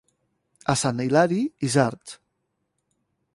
A Sant Hilari, isards.